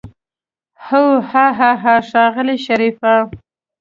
اوح هاهاها ښاغلی شريفه.